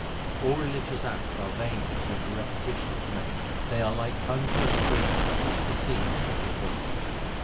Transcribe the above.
All religious acts are vain except the repetition of the Name ; they are like conjuror s tricks which deceive the spectators.